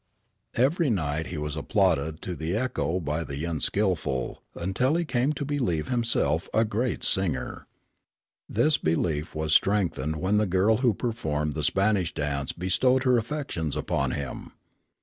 Every night he was applauded to the echo by "the unskilful," until he came to believe himself a great singer. This belief was strengthened when the girl who performed the Spanish dance bestowed her affections upon him.